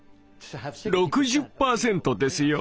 ６０％ですよ？